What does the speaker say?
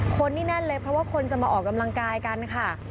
คนนี่แน่นเลยเพราะว่าคนจะมาออกกำลังกายกันค่ะ